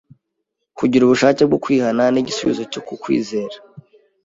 Kugira ubushake bwo kwihana n'igisubizo ku kwizera,